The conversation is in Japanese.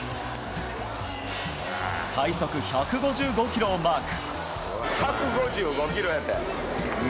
最速１５５キロをマーク。